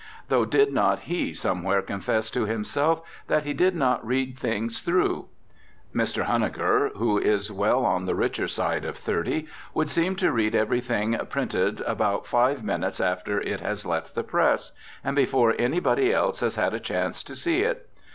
Though did not he somewhere confess to himself that he did not read things through? Mr. Huneker, who is well on the richer side of thirty, would seem to read everything printed about five minutes after it has left the press, and before anybody else has had a chance to see it.